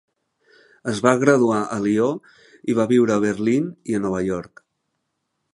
Es va graduar a Lió, i va viure a Berlín i a Nova York.